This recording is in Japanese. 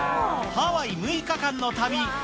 ハワイ６日間の旅。